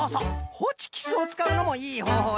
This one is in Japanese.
ホチキスをつかうのもいいほうほうなんじゃよね。